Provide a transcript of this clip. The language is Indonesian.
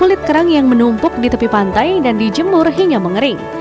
kulit kerang yang menumpuk di tepi pantai dan dijemur hingga mengering